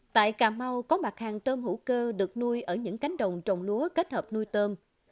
tại cà mau có mặt hàng tôm hữu cơ được nuôi ở những cánh đồng trồng lúa kết hợp nuôi tôm